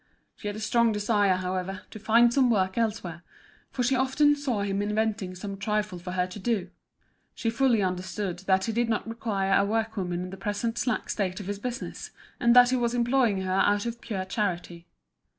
She had a strong desire, however, to find some work elsewhere, for she often saw him inventing some trifle for her to do; she fully understood that he did not require a workwoman in the present slack state of his business, and that he was employing her out of pure charity.